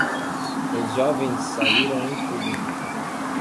Os jovens saíram em fuga